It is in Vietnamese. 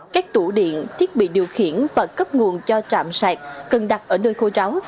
các tủ điện thiết bị điều khiển và cấp nguồn cho trạm sạc cần đặt ở nơi khô ráo